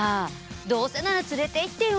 どうせなら連れていってよ！